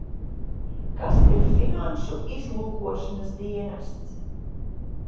Kas ir finanšu izlūkošanas dienests?